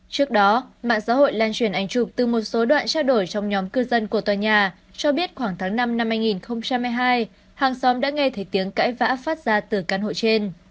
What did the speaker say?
trước đó mạng xã hội lan truyền ảnh chụp từ một số đoạn trao đổi trong nhóm cư dân của tòa nhà cho biết khoảng tháng năm năm hai nghìn hai mươi hai hàng xóm đã nghe thấy tiếng cãi vã phát ra từ căn hộ trên